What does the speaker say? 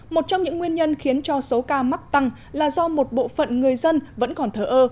một trong những nguyên nhân khiến cho số ca mắc tăng là do một bộ phận người dân vẫn còn thờ ơ